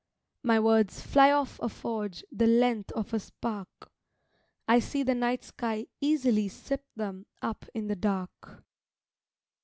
My words fly off a forge The length of a spark; I see the night sky easily sip them Up in the dark.